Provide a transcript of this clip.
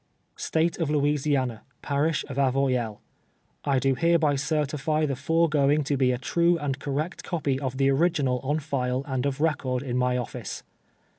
State of Louisiana : Parish of Avoyelles. I do hereby certify the foregoing to be a true and correct copy of the original on file and of record in my office.